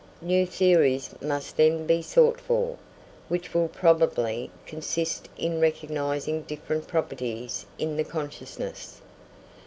New theories must then be sought for, which will probably consist in recognising different properties in the consciousness.